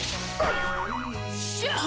っしゃあ！